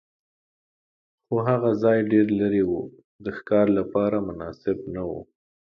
خو هغه ځای ډېر لرې و، د ښکار لپاره مناسب نه و.